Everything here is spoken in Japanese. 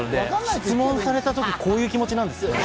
質問されたとき、こういう気持ちなんですね。